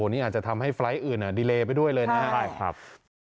นี่อาจจะทำให้ไฟล์ทอื่นดีเลไปด้วยเลยนะครับ